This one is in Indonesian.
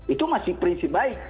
itu masih prinsip baik